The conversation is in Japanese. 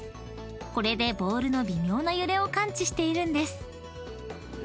［これでボールの微妙な揺れを感知しているんです］